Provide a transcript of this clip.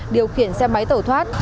điều khiển xe máy tẩu thoát